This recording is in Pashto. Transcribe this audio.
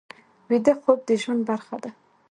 ویده خوب د ژوند برخه ده